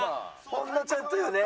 ほんのちょっとよね。